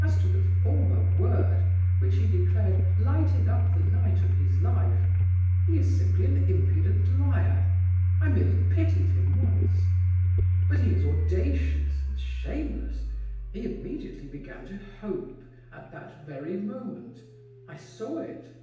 As to the 'former word' which he declares 'lighted up the night of his life,' he is simply an impudent liar; I merely pitied him once. But he is audacious and shameless. He immediately began to hope, at that very moment. I saw it.